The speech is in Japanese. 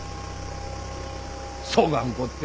そがんこっで。